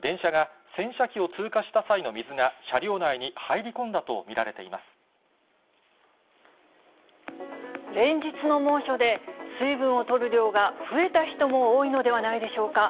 電車が洗車機を通過した際の水が車両内に入り込んだと見られてい連日の猛暑で、水分をとる量が増えた人も多いのではないでしょうか。